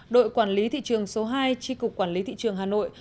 đội quản lý thị trường số hai tri cục quản lý thị trường hà nội